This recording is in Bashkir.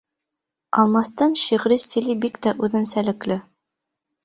Алмастың шиғри стиле бик тә үҙенсәлекле.